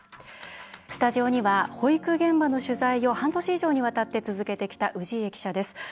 スタジオには保育現場の取材を半年以上にわたって続けてきた氏家記者です。